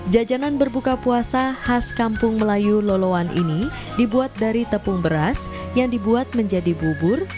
jajanan berbuka puasa khas kampung melayu loloan ini dibuat dari tepung beras yang dibuat menjadi bubur